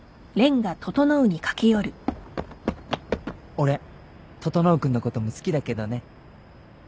俺整君のことも好きだけどね。